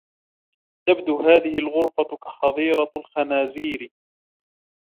تبدو هذه الغرفة كحظيرة الخنازير.